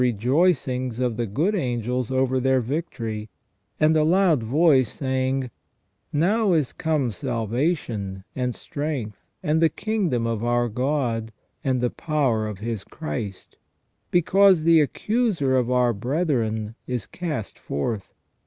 293 rejoicings of the good angels over their victory, and a loud voice saying :" Now is come salvation, and strength, and the kingdom of our God, and the power of His Christ : because the accuser of our brethren is cast forth.